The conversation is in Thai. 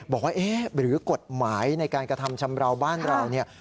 บอกว่ากฏหมายในการกระทำชำราวบ้านเรา